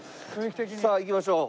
さあ行きましょう。